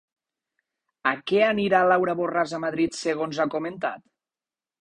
A què anirà Laura Borràs a Madrid segons ha comentat?